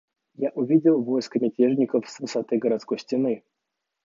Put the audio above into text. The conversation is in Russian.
Я увидел войско мятежников с высоты городской стены.